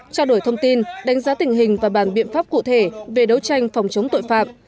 trao đổi thông tin đánh giá tình hình và bàn biện pháp cụ thể về đấu tranh phòng chống tội phạm